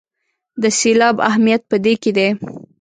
د سېلاب اهمیت په دې کې دی.